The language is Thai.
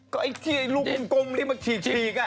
ก็ไอ้ลูกกลมรีบมาฉีกอ่ะ